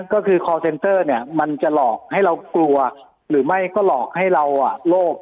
ก็คือเนี้ยมันจะหลอกให้เรากลัวหรือไม่ก็หลอกให้เราอ่ะโลก